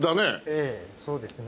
ええそうですね。